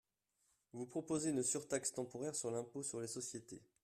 Vous proposez une surtaxe temporaire sur l’impôt sur les sociétés.